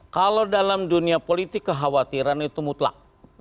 kalau dalam dunia politik kekhawatiran itu mutlak